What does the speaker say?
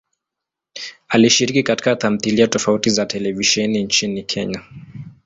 Alishiriki katika tamthilia tofauti za televisheni nchini Kenya.